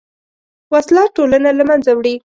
وسله ټولنه له منځه وړي